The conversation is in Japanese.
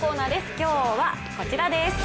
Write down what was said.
今日はこちらです。